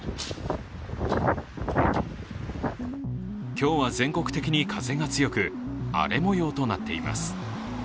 今日は全国的に風が強く、荒れ模様となっています。